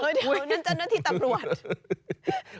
เฮ้ยเดี๋ยวนั่นจะนัดที่ตับรวจ